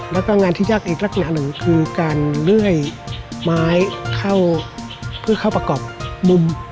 แล้วก็งานที่ยากอีกลักษณะหนึ่งคือการเลื่อยไม้เข้าเพื่อเข้าประกอบมุม